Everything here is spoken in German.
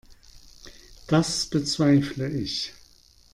Das bezweifle ich.